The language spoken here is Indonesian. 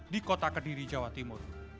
di kota kediri jawa timur